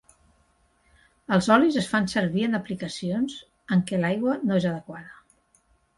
Els olis es fan servir en aplicacions en què l'aigua no és adequada.